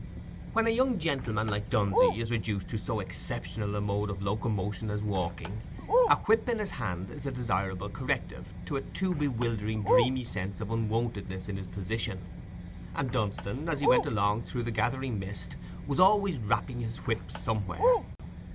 When a young gentleman like Dunsey is reduced to so exceptional a mode of locomotion as walking, a whip in his hand is a desirable corrective to a too bewildering dreamy sense of unwontedness in his position; and Dunstan, as he went along through the gathering mist, was always rapping his whip somewhere.